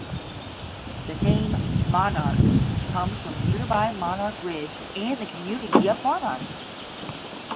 The name "Monarch" comes from nearby Monarch Ridge and the community of Monarch.